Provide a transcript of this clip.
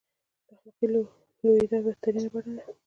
د اخلاقي لوېدا بدترینه بڼه ده.